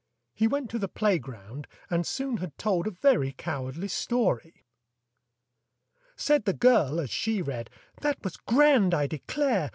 He went to the playground, and soon had told A very cowardly story! Said the girl as she read, "That was grand, I declare!